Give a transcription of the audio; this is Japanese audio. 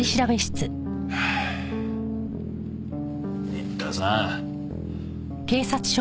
新田さん。